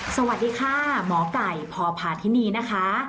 สวัสดีค่ะหมอไก่พพาธินีนะคะ